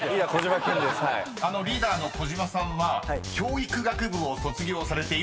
［リーダーの小島さんは教育学部を卒業されているそうです］